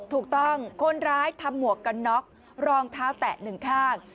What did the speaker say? ถูกต้องคนร้ายทำหมวกกันน็อกรองเท้าแตะหนึ่งข้าง